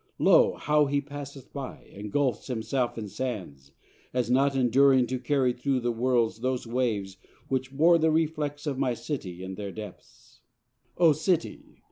Lo! how he passeth by, And gulphs himself in sands, as not enduring To carry through the world those waves, which bore The reflex of my City in their depths. Oh City!